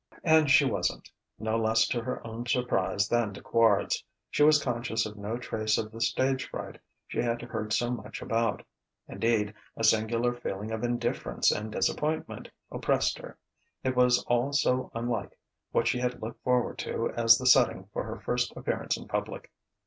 And she wasn't; no less to her own surprise than to Quard's, she was conscious of no trace of the stage fright she had heard so much about. Indeed a singular feeling of indifference and disappointment oppressed her; it was all so unlike what she had looked forward to as the setting for her first appearance in public.